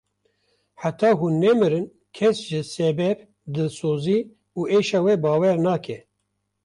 Heta hûn nemirin kes ji sebeb, dilsozî û êşa we bawer nake.